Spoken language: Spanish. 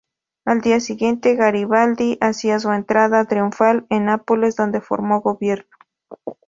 Al día siguiente Garibaldi hacía su entrada triunfal en Nápoles, donde formó gobierno.